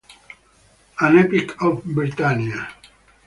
An Epic of Britannia.